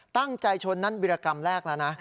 ตั้งใจชนนั่นวิรากรรมแรกแล้วนะ